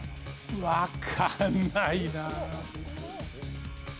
わかんないな。